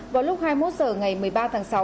vào lúc hai mươi một h ngày một mươi ba tháng sáu